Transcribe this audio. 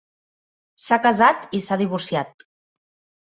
S'ha casat, i s'ha divorciat.